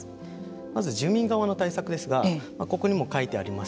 まず住民側の対策ですがここにも書いてあります